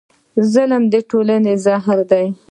ظلم د ټولنې زهر دی.